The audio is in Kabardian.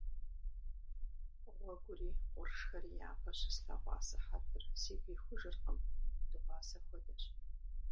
Гъуэгури къуршхэри япэ щыслъэгъуа сыхьэтыр сигу ихужыркъым – дыгъуасэ хуэдэщ.